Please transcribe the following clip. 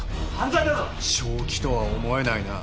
「正気とは思えないな」